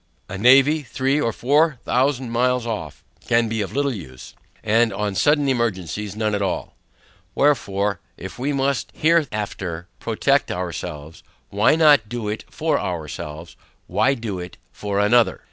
A navy three or four thousand miles off can be of little use, and on sudden emergencies, none at all. Wherefore, if we must hereafter protect ourselves, why not do it for ourselves? Why do it for another?